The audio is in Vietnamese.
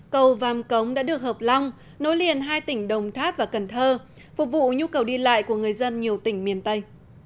cầu vàm cống đã được hợp long nối liền hai tỉnh đồng tháp và cần thơ phục vụ nhu cầu đi lại của người dân nhiều tỉnh miền tây